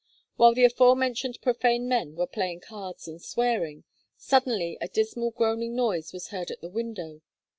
While the aforementioned profane men were playing cards and swearing, suddenly a dismal groaning noise was heard at the window.